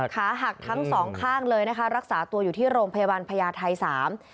ขาหักทั้งสองข้างเลยนะคะรักษาตัวอยู่ที่โรงพยาบาลพญาไทยสาม